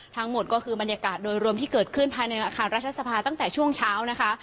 ทั้งหมดก็คือบรรยากาศโดยรวมที่เกิดขึ้นภายในอาคารรัฐสภาตั้งแต่ช่วงเช้านะคะ